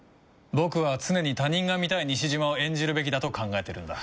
僕は常に他人が見たい西島を演じるべきだと考えてるんだ。